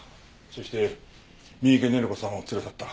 そして三池寧々子さんを連れ去った。